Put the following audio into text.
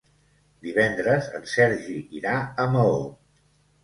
Divendres en Sergi irà a Maó.